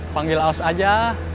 panggil aus aja